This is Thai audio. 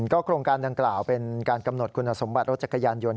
โครงการดังกล่าวเป็นการกำหนดคุณสมบัติรถจักรยานยนต์